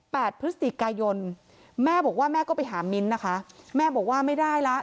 พฤศจิกายนแม่บอกว่าแม่ก็ไปหามิ้นนะคะแม่บอกว่าไม่ได้ละ